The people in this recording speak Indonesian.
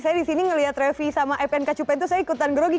saya di sini melihat trevi sama evan cupan itu saya ikutan gerogi